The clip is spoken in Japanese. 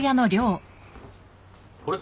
あれ？